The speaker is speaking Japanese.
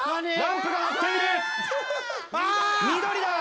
緑だ！